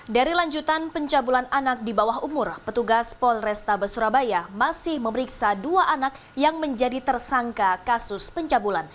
dari lanjutan pencabulan anak di bawah umur petugas polrestabes surabaya masih memeriksa dua anak yang menjadi tersangka kasus pencabulan